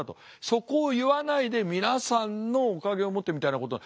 そこを言わないで皆さんのおかげをもってみたいなことは。